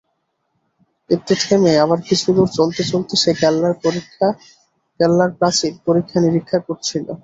একটু থেমে আবার কিছুদূর চলতে চলতে সে কেল্লার প্রাচীর পরীক্ষা-নিরীক্ষা করছিল।